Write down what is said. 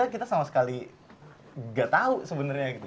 kita sama sekali gak tau sebenernya gitu